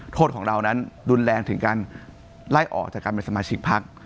โทษของเรานั้นรุนแรงถึงการไล่ออกจากการเป็นสมาชิกพัก